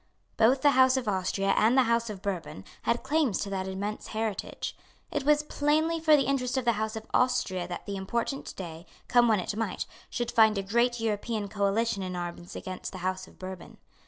Both the House of Austria and the House of Bourbon had claims to that immense heritage. It was plainly for the interest of the House of Austria that the important day, come when it might, should find a great European coalition in arms against the House of Bourbon.